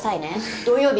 土曜日